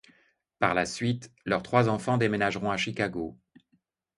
Par la suite, leurs trois enfants déménageront à Chicago.